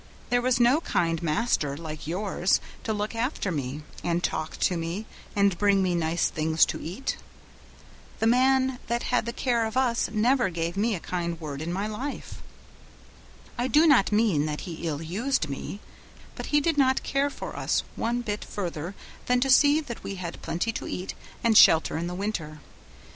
There was no kind master like yours to look after me, and talk to me, and bring me nice things to eat. The man that had the care of us never gave me a kind word in my life. I do not mean that he ill used me, but he did not care for us one bit further than to see that we had plenty to eat, and shelter in the winter.